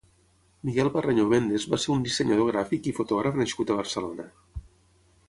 Miguel Parreño Méndez va ser un dissenyador gràfic, i fotògraf nascut a Barcelona.